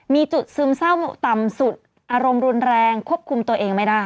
มีจุดซึมเศร้าต่ำสุดอารมณ์รุนแรงควบคุมตัวเองไม่ได้